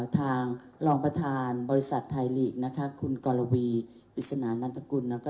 ทางรองประธานบริษัทไทยลีกนะคะคุณกรวีปริศนานันตกุลแล้วก็